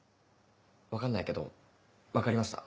分かんないけど分かりました